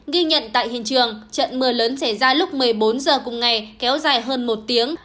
ghi nhận tại hiện trường trận mưa lớn xảy ra lúc một mươi bốn h cùng ngày kéo dài hơn một tiếng